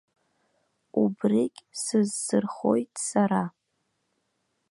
Убригь сызсырхоит сара!